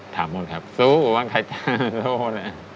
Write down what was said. ทำหมดครับสู้บ้างขายจากโลกนะ